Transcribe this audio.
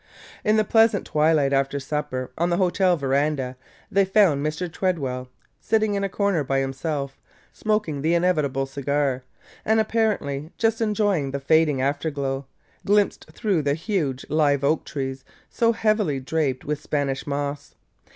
In the pleasant twilight after supper, on the hotel veranda, they found Mr. Tredwell, sitting in a corner by himself, smoking the inevitable cigar, and apparently just enjoying the fading afterglow, glimpsed through the huge live oak trees so heavily draped with Spanish moss.